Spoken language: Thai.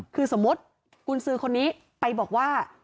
คือสมมุติกุญสือคนนี้ไปบอกว่า